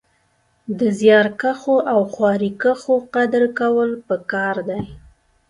د زيارکښو او خواريکښو قدر کول پکار دی